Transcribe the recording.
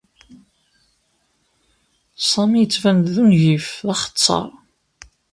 Sami yettban-d d ungif d axeṣṣar.